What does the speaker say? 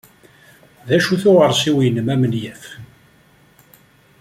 D acu-t uɣersiw-nnem amenyaf?